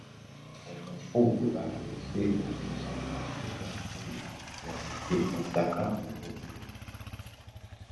Omufu gwe baaleese okuziika ewa Buule yavudde Masaka mu Buddu.